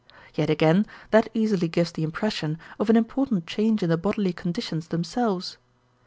Yet again that easily gives the impression of an important change in the bodily conditions themselves.